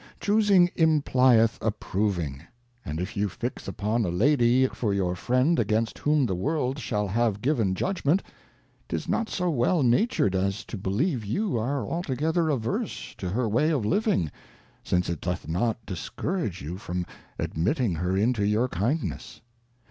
Chusing implieth ^^^roj^ire^ ; and if you fix upon a Lady for your Friend against whom the World shall have given Judgment, 'tis not so well natur'd as to believe you are altogether averse to her way of living, %\xic^ it doth not discourage you from Admitting her into your Kindness.